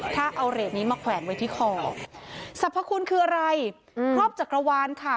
ถ้าเอาเหรียญนี้มาแขวนไว้ที่คอสรรพคุณคืออะไรครอบจักรวาลค่ะ